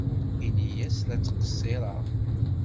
Ini-as la ttqeṣṣireɣ.